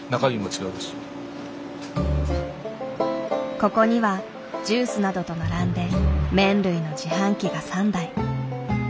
ここにはジュースなどと並んで麺類の自販機が３台。